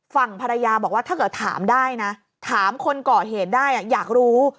ฝั่งภรรยาบอกว่าถ้าเกิดถามได้นะถามคนก่อเหตุได้อยากรู้